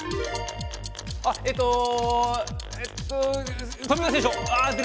あっえっとえっと富岡製糸場！